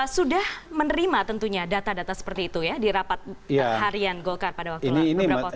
sudah menerima tentunya data data seperti itu ya di rapat harian golkar pada waktu beberapa waktu lalu